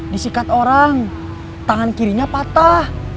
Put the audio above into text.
disikat orang tangan kirinya patah